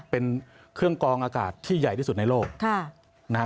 เป็นเครื่องกองอากาศที่ใหญ่ที่สุดในโลกนะฮะ